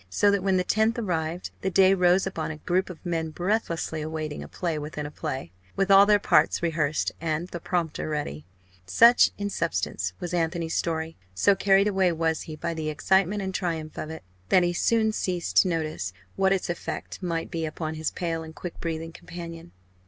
So that, when the 10th arrived, the day rose upon a group of men breathlessly awaiting a play within a play with all their parts rehearsed, and the prompter ready. Such in substance, was Anthony's story. So carried away was he by the excitement and triumph of it, that he soon ceased to notice what its effect might be upon his pale and quick breathing companion.